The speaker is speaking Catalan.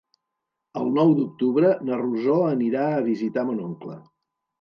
El nou d'octubre na Rosó anirà a visitar mon oncle.